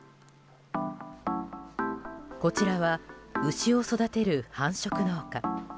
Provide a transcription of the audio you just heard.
こちらは、牛を育てる繁殖農家。